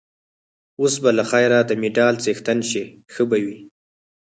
اوس به له خیره د مډال څښتن شې، ښه به وي.